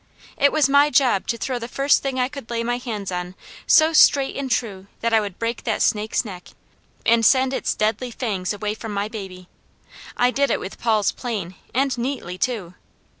It was my job to throw the first thing I could lay my hands on so straight and true that I would break that snake's neck, and send its deadly fangs away from my baby. I did it with Paul's plane, and neatly too!